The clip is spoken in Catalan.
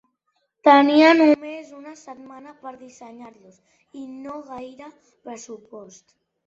Tenia només una setmana per dissenyar-los i no gaire pressupost.